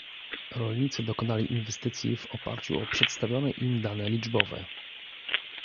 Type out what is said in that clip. Rolnicy dokonali inwestycji w oparciu o przedstawione im dane liczbowe